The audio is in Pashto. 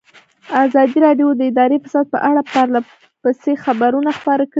ازادي راډیو د اداري فساد په اړه پرله پسې خبرونه خپاره کړي.